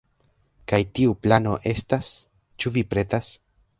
Kaj tiu plano estas... ĉu vi pretas?